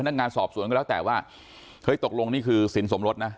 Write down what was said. นักงานสอบสวนก็แล้วแต่ว่าเฮ้ยตกลงนี่คือสินสมรสนะ